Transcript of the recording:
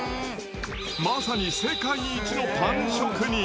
まさに世界一のパン職人。